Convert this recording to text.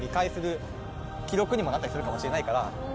記録にもなったりするかもしれないから。